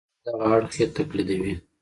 هغوی چې دغه اړخ یې تقلیدي وي.